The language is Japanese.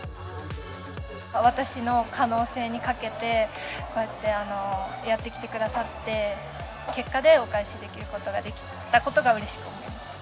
私の可能性にかけて、こうやってやってきてくださって、結果でお返しできることができたことがうれしく思います。